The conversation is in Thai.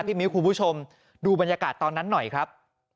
มิ้วคุณผู้ชมดูบรรยากาศตอนนั้นหน่อยครับ